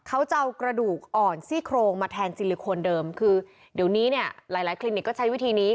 เขาจะเอากระดูกอ่อนซี่โครงมาแทนซิลิโคนเดิมคือเดี๋ยวนี้เนี่ยหลายหลายคลินิกก็ใช้วิธีนี้